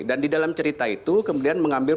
dan di dalam cerita itu kemudian mengambil